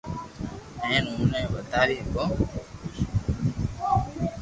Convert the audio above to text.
ھين او ني ودھاوي ھگو